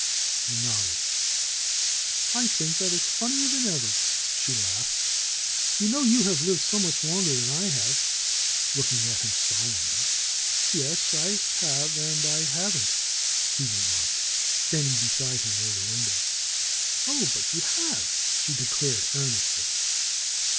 He nodded. "I think that is funnier tlian ever/' she laughed. "You know you have lived so much longer than I have," looking at him solemnly. "Yes, I have and I haven't," he remarked, standing beside her near the window. "Oh, but you have!" she declared earnestly.